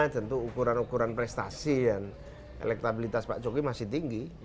tentu ukuran ukuran prestasi dan elektabilitas pak jokowi masih tinggi